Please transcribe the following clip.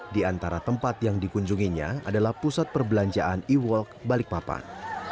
di antara tempat yang dikunjunginya adalah pusat perbelanjaan e walk balikpapan